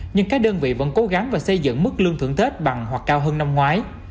nhưng các đơn vị vẫn cố gắng và xây dựng mức lương thưởng tết bằng hoặc cao hơn năm ngoái